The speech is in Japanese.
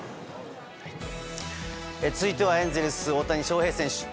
続いてはエンゼルス大谷翔平選手。